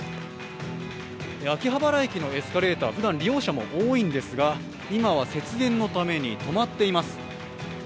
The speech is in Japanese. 秋葉原駅のエスカレーターふだん利用者も多いんですが今は節電のために止まっています。